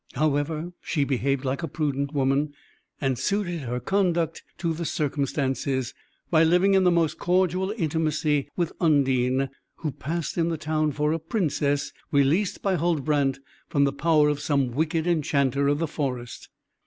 However, she behaved like a prudent woman and suited her conduct to the circumstances, by living in the most cordial intimacy with Undine who passed in the town for a princess, released by Huldbrand from the power of some wicked enchanter of the forest.